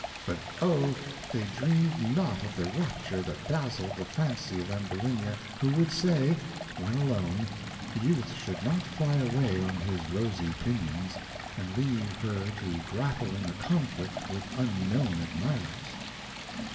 But oh! they dreamed not of the rapture that dazzled the fancy of Ambulinia, who would say, when alone, youth should not fly away on his rosy pinions, and leave her to grapple in the conflict with unknown admirers.